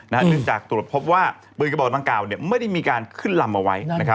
เนื่องจากตรวจพบว่าปืนกระบอกดังกล่าวไม่ได้มีการขึ้นลำเอาไว้